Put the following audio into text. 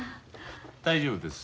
大丈夫です。